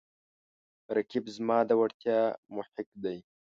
رقیب زما د وړتیاو محک دی